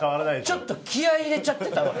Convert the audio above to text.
ちょっと気合入れちゃってたわ。